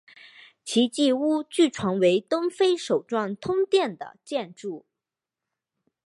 奇迹屋据传为东非首幢通电的建筑。